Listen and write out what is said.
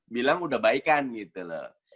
bilang udah baikan gitu loh